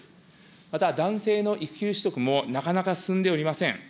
また男性の育休取得もなかなか進んでおりません。